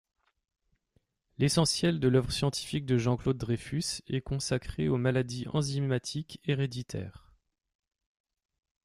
L'essentiel de l'œuvre scientifique de Jean-Claude Dreyfus est consacré aux maladies enzymatiques héréditaires.